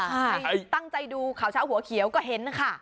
ใช่ตั้งใจดูข่าวเช้าหัวเขียวก็เห็นนะคะ